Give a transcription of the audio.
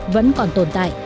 vẫn còn tồn tại